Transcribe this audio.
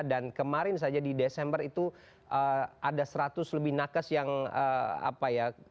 dan kemarin saja di desember itu ada seratus lebih nakes yang apa ya